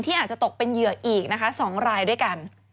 ที่อาจจะตกเป็นเหยืออีก๒รายด้วยกัน